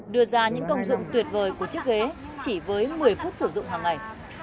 đưa ra những công dụng tuyệt vời của chiếc ghế chỉ với một mươi phút sử dụng hàng ngày